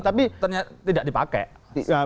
tapi tidak dipakai